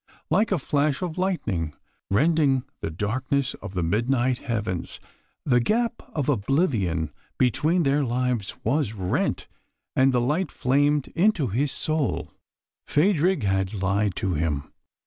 Like a flash of lightning rending the darkness of the midnight heavens, the gap of oblivion between his lives was rent, and the light flamed into his soul. Phadrig had lied to him.